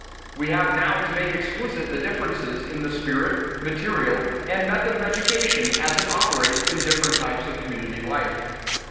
We have now to make explicit the differences in the spirit, material, and method of education as it operates in different types of community life.